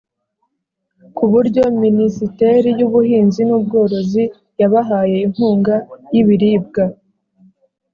ku buryo Minisiteri y’Ubuhinzi n’ubworozi yabahaye inkunga y’ibiribwa